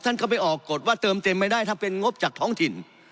ท่านก็ไปออกกฎว่าเติมเต็มไม่ได้ถ้าเป็นงบจากท้องถิ่น